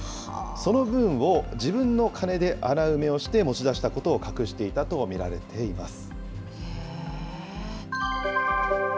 その分を自分の金で穴埋めをして持ち出したことを隠していたと見られています。